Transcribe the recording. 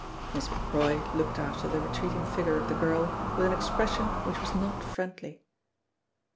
Miss Macroy looked after the retreating figure of the girl with an expression which was not friendly.